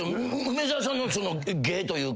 梅沢さんの芸というか。